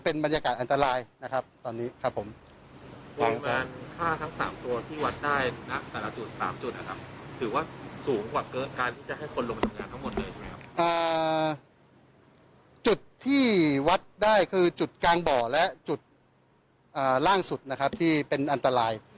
โอ้โหย